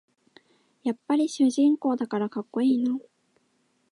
やっぱり主人公だからかっこいいな